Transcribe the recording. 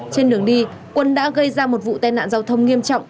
trên đường đi quân đã gây ra một vụ tai nạn giao thông nghiêm trọng